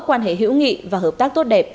quan hệ hữu nghị và hợp tác tốt đẹp